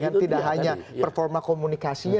yang tidak hanya performa komunikasinya